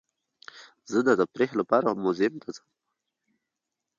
زه د تفریح لپاره میوزیم ته ځم.